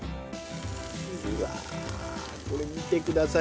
うわ見てください。